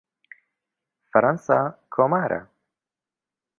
فەرەنسا کۆمارە.